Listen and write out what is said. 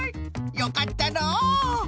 よかったのう！